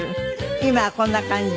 今はこんな感じ。